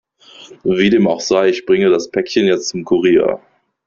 Wie dem auch sei, ich bringe das Päckchen jetzt zum Kurier.